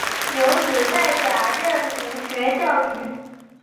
有子戴槚任儒学教谕。